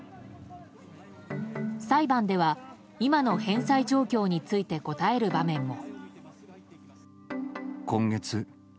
裁判では、今の返済状況について答える場面も。